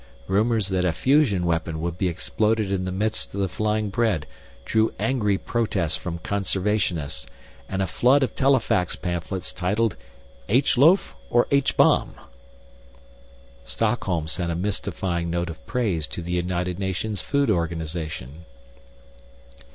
Rumors that a fusion weapon would be exploded in the midst of the flying bread drew angry protests from conservationists and a flood of telefax pamphlets titled "H Loaf or H bomb?" Stockholm sent a mystifying note of praise to the United Nations Food Organization.